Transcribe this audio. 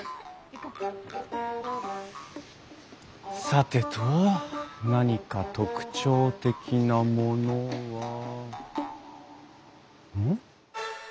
さてと何か特徴的なものはうん？